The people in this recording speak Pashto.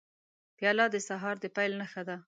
پیاله د سهار د پیل نښه ده.